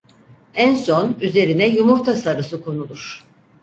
En son üzerine yumurta sarısı konulur.